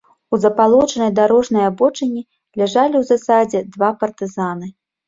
У забалочанай дарожнай абочыне ляжалі ў засадзе два партызаны.